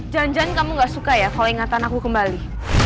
janjan kamu enggak suka ya kalau ingatan aku kembali